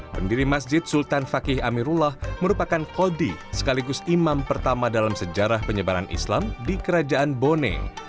pendiri masjid sultan fakih amirullah merupakan kodi sekaligus imam pertama dalam sejarah penyebaran islam di kerajaan bone